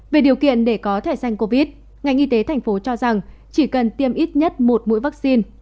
về điều kiện để có thẻ xanh covid ngành y tế tp hcm cho rằng chỉ cần tiêm ít nhất một mũi vaccine